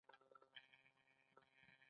دوی په خبرو کې مهارت لري.